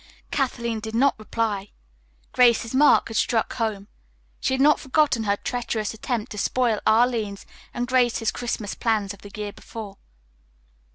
Kathleen did not reply. Grace's remark had struck home. She had not forgotten her treacherous attempt to spoil Arline's and Grace's Christmas plans of the year before.